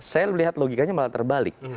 saya melihat logikanya malah terbalik